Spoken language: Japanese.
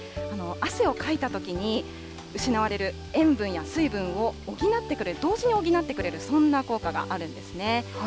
汗をかいたときに失われる塩分や水分を補ってくれる、同時に補ってくれる、そんな効果があるんですね。